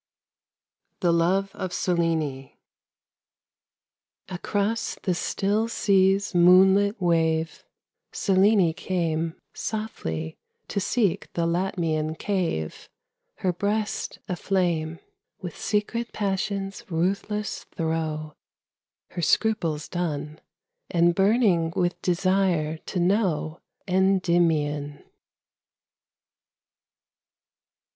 THE LOVE OF SELENE Across the still sea's moonlit wave Selene came Softly to seek the Latmian cave, Her breast aflame With secret passion's ruthless throe, Her scruples done, And burning with desire to know Endymion.